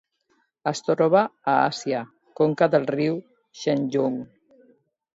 Es troba a Àsia: conca del riu Xe Kong.